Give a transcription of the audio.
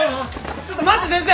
ちょっと待って先生！